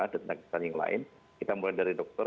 dan tenaga kesehatan yang lain kita mulai dari dokter